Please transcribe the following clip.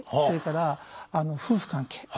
それから夫婦関係。